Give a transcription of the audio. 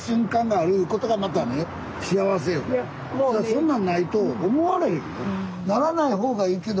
そんなんないと思われへんよ。